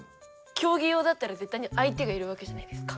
競技用だったらぜったいに相手がいるわけじゃないですか。